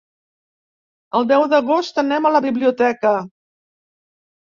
El deu d'agost anem a la biblioteca.